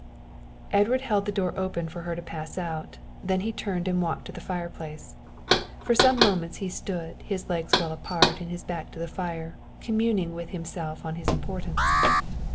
Edward held the door open for her to pass out, then he turned and walked to the fireplace. For some moments he stood, his legs well apart and his back to the fire, communing with himself on his importance.